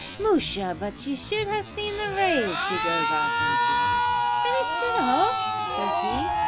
"Musha! but ye should ha' seen the rage he goes off into. `Finished it all?' says he.